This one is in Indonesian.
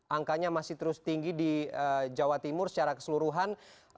angkanya masih terus tinggi di jawa timur secara keseluruhan